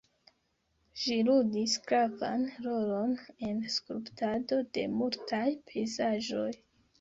Ĝi ludis gravan rolon en skulptado de multaj pejzaĝoj.